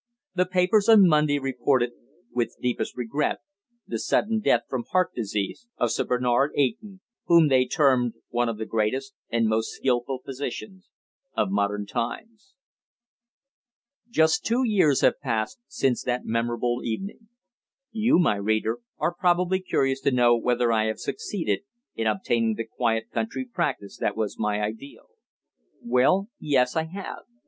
The papers on Monday reported "with deepest regret" the sudden death from heart disease of Sir Bernard Eyton, whom they termed "one of the greatest and most skilful physicians of modern times." Just two years have passed since that memorable evening. You, my reader, are probably curious to know whether I have succeeded in obtaining the quiet country practice that was my ideal. Well, yes, I have.